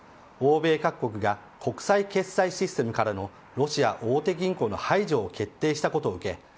欧米各国が国際決済システムからのロシア大手銀行の排除を徹底したことを受け